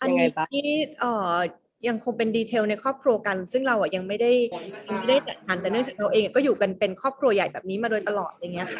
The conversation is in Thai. อันนี้ที่ยังคงเป็นดีเทลในครอบครัวกันซึ่งเรายังไม่ได้ตัดแต่เนื่องจากเราเองก็อยู่กันเป็นครอบครัวใหญ่แบบนี้มาโดยตลอดอะไรอย่างนี้ค่ะ